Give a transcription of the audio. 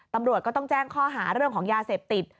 ตำรวจก็ต้องแจ้งข้อหาเรื่องของยาเสพติด